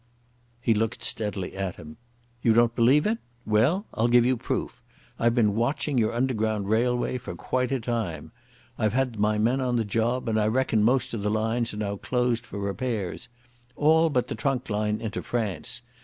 He looked steadily at him. "You don't believe it. Well, I'll give you proof. I've been watching your Underground Railway for quite a time. I've had my men on the job, and I reckon most of the lines are now closed for repairs. All but the trunk line into France.